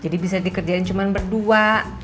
jadi bisa dikerjain cuman berdua